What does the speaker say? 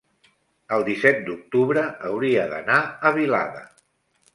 el disset d'octubre hauria d'anar a Vilada.